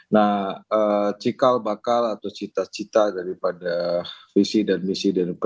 nah cikal bakal atau cita cita daripada visi dan misi